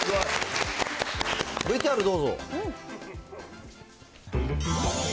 ＶＴＲどうぞ。